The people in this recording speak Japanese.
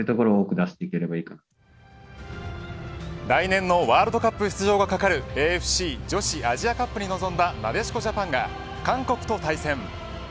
来年のワールドカップ出場が懸かるＡＦＣ女子アジアカップに臨んだなでしこジャパンが韓国と対戦。